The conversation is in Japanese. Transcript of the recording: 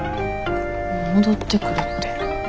戻ってくるって？